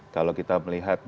kalau kita melihat dan